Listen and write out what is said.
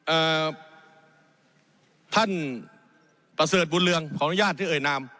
เอ่อท่านประเสริฐบุญเรืองขออนุญาตที่เอ่ยนาม